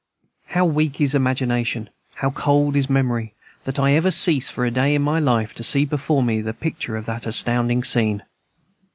How weak is imagination, how cold is memory, that I ever cease, for a day of my life, to see before me the picture of that astounding scene!